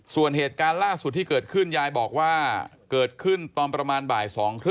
ส่วนเหตุการณ์ล่าสุดที่เกิดขึ้นยายบอกว่าเกิดขึ้นตอนประมาณบ่าย๒๓๐